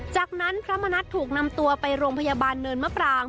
จากนั้นพระมณัฐถูกนำตัวไปโรงพยาบาลเนินมะปราง